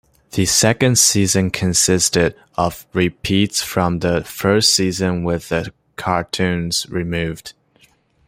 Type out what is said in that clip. The second season consisted of repeats from the first season with the cartoons removed.